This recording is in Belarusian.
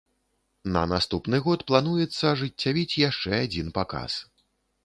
На наступны год плануецца ажыццявіць яшчэ адзін паказ.